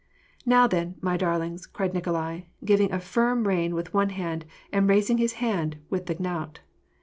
" Now then, my darlings !" cried Nikolai, giving a firm rein with one hand, and raising his hand with the knout.